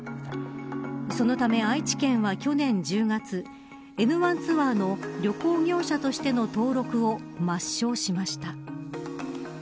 そのため愛知県は、去年１０月エヌワンツアーの旅行業者としての登録を抹消しました。